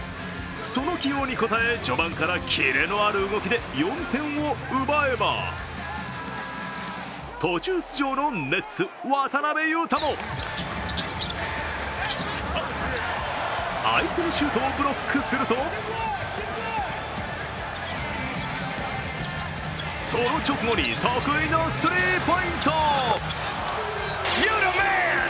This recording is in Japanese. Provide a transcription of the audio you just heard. その起用に応え、序盤からキレのある動きで４点を奪えば途中出場のネッツ・渡邊雄太も相手のシュートをブロックするとその直後に得意のスリーポイント。